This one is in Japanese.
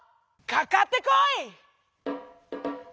かかってこい！